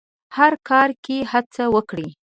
هر کار کې هڅه وکړئ.